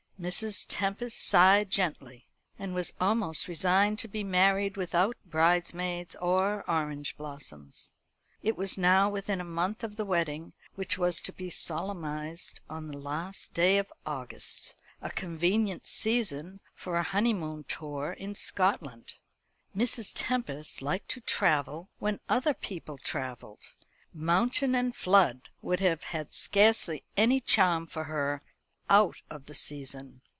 Mrs Tempest sighed gently, and was almost resigned to be married without bridesmaids or orange blossoms. It was now within a month of the wedding, which was to be solemnised on the last day of August a convenient season for a honeymoon tour in Scotland. Mrs. Tempest liked to travel when other people travelled. Mountain and flood would have had scarcely any charm for her "out of the season."